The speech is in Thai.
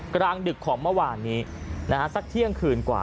กลางดึกของเมื่อวานนี้นะฮะสักเที่ยงคืนกว่า